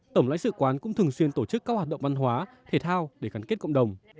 tổng lãnh sự quán cũng thường xuyên tổ chức các hoạt động văn hóa thể thao để gắn kết cộng đồng